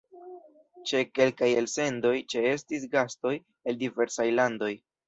Ĉe kelkaj elsendoj ĉeestis gastoj el diversaj landoj.